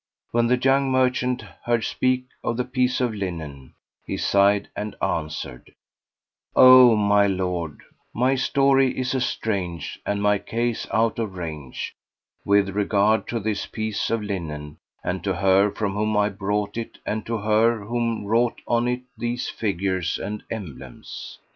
When the young merchant heard speak of the piece of linen, he sighed and answered, "O my lord, my story is a strange and my case out of range, with regard to this piece of linen and to her from whom I brought it and to her who wrought on it these figures and emblems."